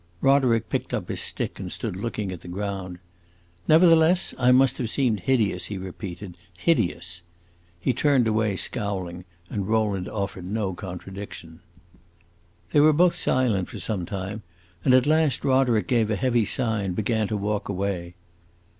Roderick picked up his stick and stood looking at the ground. "Nevertheless, I must have seemed hideous," he repeated "hideous." He turned away, scowling, and Rowland offered no contradiction. They were both silent for some time, and at last Roderick gave a heavy sigh and began to walk away.